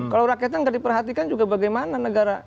kalau rakyatnya nggak diperhatikan juga bagaimana negara